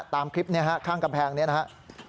ตามคลิปนี้ข้างกำแพงนี้นะครับ